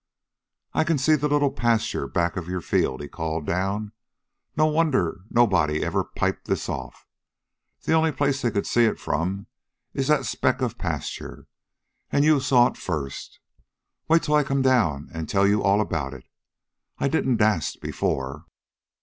"I can see the little pasture back of your field," he called down. "No wonder nobody ever piped this off. The only place they could see it from is that speck of pasture. An' you saw it first. Wait till I come down and tell you all about it. I didn't dast before."